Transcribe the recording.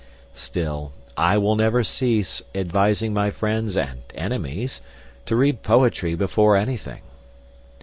Still, I will never cease advising my friends and enemies to read poetry before anything.